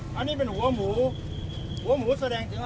วันนี้ให้ทุกคนดูให้รู้ว่ามันไหว